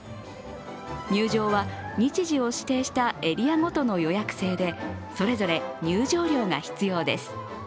入場は、日時を指定したエリアごとの予約制でそれぞれ入場料が必要です。